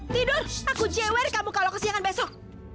tidur aku jewer kamu kalau kesiangan besok